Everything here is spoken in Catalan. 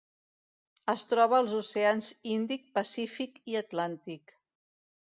Es troba als oceans Índic, Pacífic i Atlàntic.